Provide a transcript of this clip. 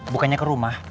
bukannya ke rumah